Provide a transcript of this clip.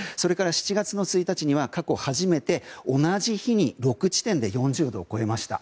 ７月の１日には過去初めて同じ日に６地点で４０度を超えました。